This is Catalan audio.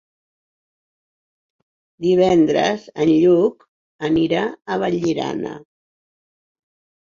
Divendres en Lluc anirà a Vallirana.